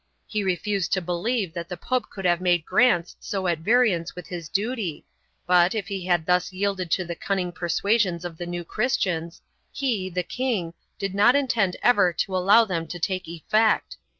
He refused to believe that the pope could have made grants so at variance with his duty but, if he had thus yielded to the cunning persuasions of the New Christians, he, the king, did not intend ever to allow them to take effect.